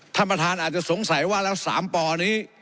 ท่านประธานอาจจะสงสัยว่าแล้ว๓ปอนี้